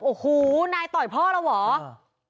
โอ้โหนายต่อยพ่อแล้วเหรอ